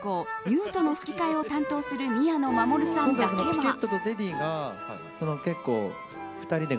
ニュートの吹き替えを担当する宮野真守さんだけは。